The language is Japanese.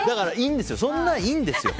そんなんいいんですよ。